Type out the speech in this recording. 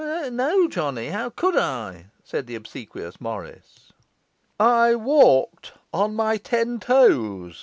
'No, Johnny; how could I?' said the obsequious Morris. 'I walked on my ten toes!